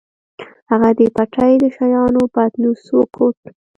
هغه د پټۍ د شيانو پتنوس وکوت.